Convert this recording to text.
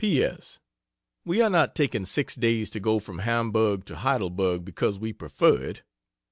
P. S. We are not taking six days to go from Hamburg to Heidelberg because we prefer it.